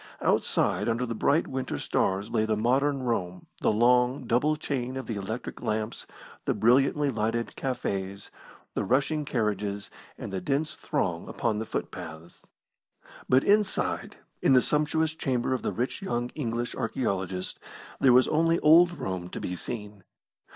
Outside under the bright winter stars lay the modern Rome, the long, double chain of the electric lamps, the brilliantly lighted cafes, the rushing carriages, and the dense throng upon the footpaths. But inside, in the sumptuous chamber of the rich young English archaeologist, there was only old Rome to be seen.